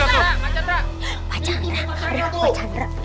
itu dia pak jandra tuh